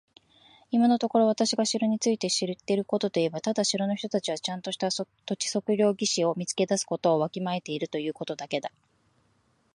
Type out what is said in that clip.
今のところ私が城について知っていることといえば、ただ城の人たちはちゃんとした土地測量技師を見つけ出すことをわきまえているということだけだ。